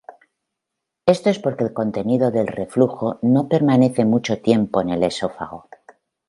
Esto es porque el contenido del reflujo no permanece mucho tiempo en el esófago.